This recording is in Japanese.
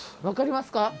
分かりますか？